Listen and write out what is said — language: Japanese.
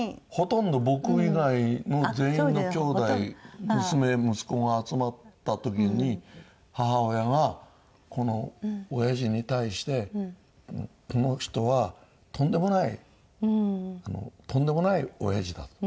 ほとんど僕以外の全員のきょうだい娘息子が集まった時に母親がこのおやじに対してこの人はとんでもないとんでもないおやじだと。